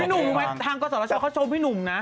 พี่หนุ่มมั้ยทางกฎสอดธชอนเขาโชว์พี่หนุ่มนะ